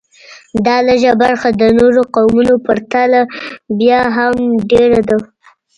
دا لږه برخه د نورو قومونو په پرتله بیا هم ډېره ده